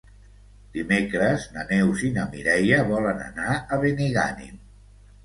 Dimecres na Neus i na Mireia volen anar a Benigànim.